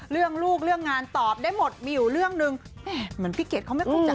เรื่องลูกเรื่องงานตอบได้หมดมีอยู่เรื่องนึง